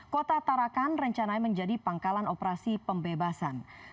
kota tarakan rencananya menjadi pangkalan operasi pembebasan